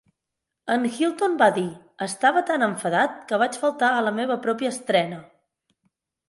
En Hilton va dir: "Estava tan enfadat que vaig faltar a la meva pròpia estrena".